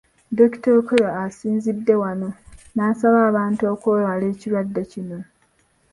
Dr. Okello asinzidde wano n’asaba abantu okwewala ekirwadde kino.